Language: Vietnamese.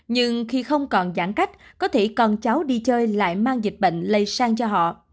nhưng khi không còn giãn cách có thể con cháu đi chơi lại mang dịch bệnh lây sang cho họ